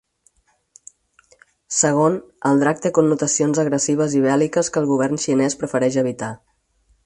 Segon, el drac té connotacions agressives i bèl·liques que el govern xinès prefereix evitar.